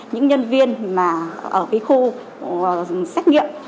những nhân viên ở khu xét nghiệm